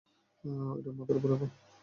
এটা মাথার ওপর রাখো।